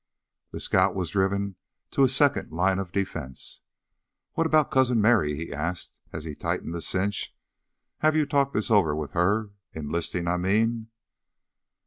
The scout was driven to his second line of defense. "What about Cousin Merry?" he asked as he tightened the cinch. "Have you talked this over with her enlistin', I mean?"